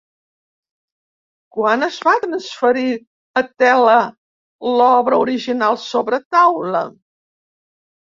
Quan es va transferir a tela l'obra original sobre taula?